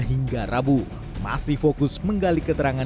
hingga rabu masih fokus menggali keterangan